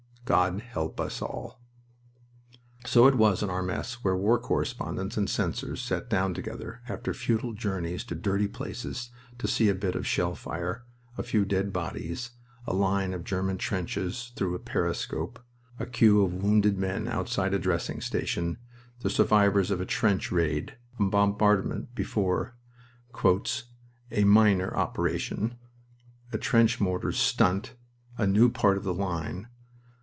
God help us all!" So it was in our mess where war correspondents and censors sat down together after futile journeys to dirty places to see a bit of shell fire, a few dead bodies, a line of German trenches through a periscope, a queue of wounded men outside a dressing station, the survivors of a trench raid, a bombardment before a "minor operation," a trench mortar "stunt," a new part of the line...